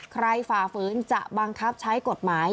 ฝ่าฝืนจะบังคับใช้กฎหมาย